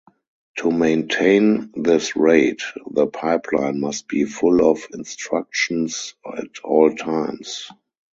To maintain this rate, the pipeline must be full of instructions at all times.